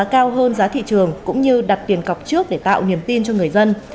cả thị trường cũng như đặt tiền cọc trước để tạo niềm tin cho người dân